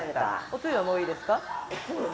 おつゆはもういいですか？